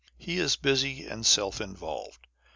He is busy and self involved.